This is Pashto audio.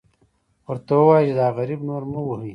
ورته ووایه چې دا غریب نور مه وهئ.